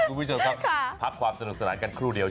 คุณผู้ชมครับพักความสนุกสนานกันครู่เดียว